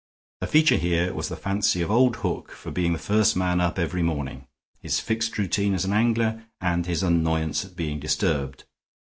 The feature here was the fancy of old Hook for being the first man up every morning, his fixed routine as an angler, and his annoyance at being disturbed.